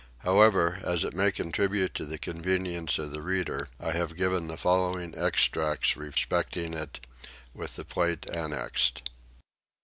However as it may contribute to the convenience of the reader I have given the following extracts respecting it with the plate annexed.